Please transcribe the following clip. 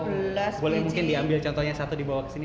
boleh mungkin diambil contohnya satu di bawah kesini